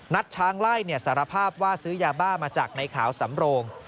ช้างไล่สารภาพว่าซื้อยาบ้ามาจากในขาวสำโรง